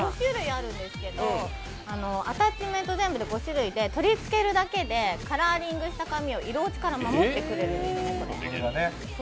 これ今、アタッチメント全部で５種類あるんですけど、取り付けるだけでカラーリングした髪を色落ちから守ってくれるんです。